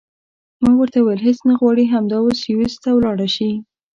ما ورته وویل هېڅ نه غواړې همدا اوس سویس ته ولاړه شې.